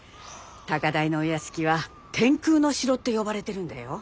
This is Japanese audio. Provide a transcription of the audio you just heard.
高台のお屋敷は天空の城って呼ばれてるんだよ。